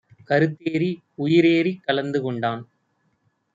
கருத்தேறி உயிர்ஏறிக் கலந்துகொண்டான்!